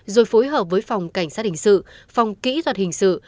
rồi phối hợp với phòng cảnh sát hình sự phòng kỹ thuật hình sự